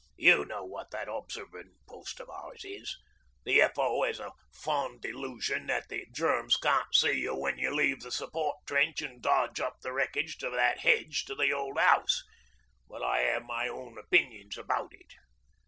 You know what that Observin' Post of ours is. The F.O. 'as a fond de looshun that the Germs can't see you when you leave the support trench an' dodge up the wreckage of that hedge to the old house; but I 'ave my own opinions about it.